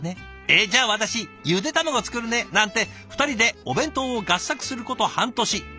「えじゃあ私ゆで卵作るね」なんて２人でお弁当を合作すること半年。